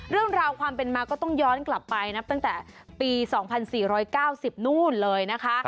เรื่องราวความเป็นมาก็ต้องย้อนกลับไปนับตั้งแต่ปี๒๔๙๐นู่นเลยนะคะ